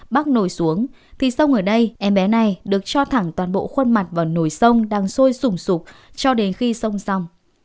bác nổi xuống thì sông ở đây em bé này được cho thẳng toàn bộ khuôn mặt vào nồi sông đang sôi sùng sụp cho đến khi sông xong